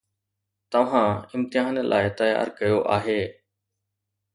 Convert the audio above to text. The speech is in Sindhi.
توهان امتحان لاء تيار ڪيو آهي